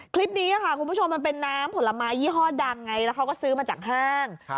คลิปนี้ค่ะคุณผู้ชมมันเป็นน้ำผลไม้ยี่ห้อดังไงแล้วเขาก็ซื้อมาจากห้าง